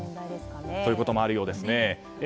そういうこともあるようです。